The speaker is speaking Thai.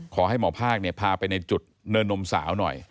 ขอให้หมอภาคพาไปในจุดเนินนมสาวหน่อย